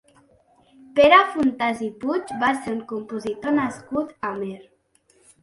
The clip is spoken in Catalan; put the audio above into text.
Pere Fontàs i Puig va ser un compositor nascut a Amer.